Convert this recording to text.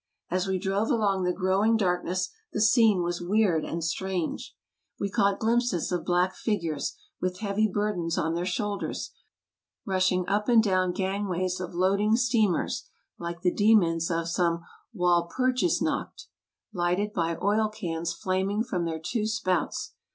As we drove along the growing darkness the scene was weird and strange. We caught glimpses of black figures, with heavy burdens on their shoulders, rushing up and down gangways of loading steamers like the demons of some Walpurgisnacht, lighted by oil cans flaming from their two spouts.